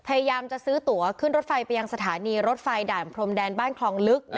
พยายามจะซื้อตัวขึ้นรถไฟไปยังสถานีรถไฟด่านพรมแดนบ้านคลองลึก